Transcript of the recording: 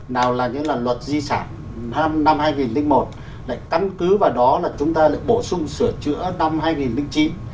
nào là những là luật di sản năm hai nghìn một lại căn cứ vào đó là chúng ta lại bổ sung sửa chữa năm hai nghìn chín